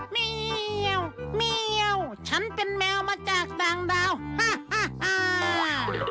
เมียวฉันเป็นแมวมาจากต่างดาวฮ่า